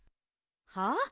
はあ？